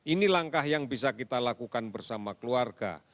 ini langkah yang bisa kita lakukan bersama keluarga